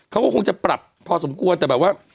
เขาก็คงจะปรับพอสมควรแต่แบบว่า